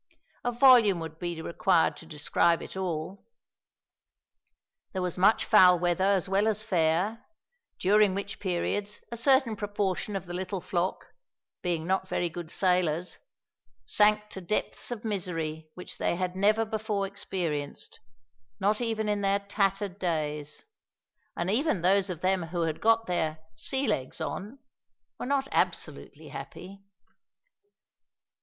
A volume would be required to describe it all. There was much foul weather as well as fair, during which periods a certain proportion of the little flock, being not very good sailors, sank to depths of misery which they had never before experienced not even in their tattered days and even those of them who had got their "sea legs on," were not absolutely happy.